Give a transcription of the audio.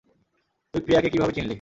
তুই প্রিয়াকে কীভাবে চিনলি?